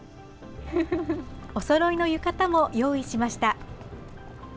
おそろいの浴衣も用意しました。